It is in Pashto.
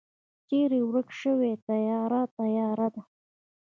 چیری ورک شوی تیاره، تیاره ده